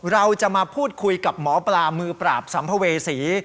เราจะมาพูดคุยกับหมอปลามือปราบสัมภเวษี